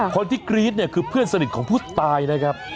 คนที่กรี๊ดเนี่ยคือเพื่อนสนิทของผู้ตายนะครับ